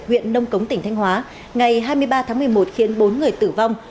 huyện nông cống tỉnh thanh hóa ngày hai mươi ba tháng một mươi một khiến bốn người tử vong